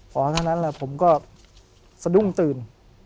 เพราะฉะนั้นผมก็สะดุ้งตื่น